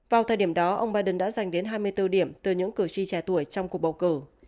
vào thời điểm đó ông biden đã dành đến hai mươi bốn điểm từ những cử tri trẻ tuổi trong cuộc bầu cử